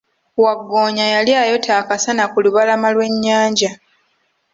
Waggoonya yali ayota akasana ku lubalama lwe nyanja.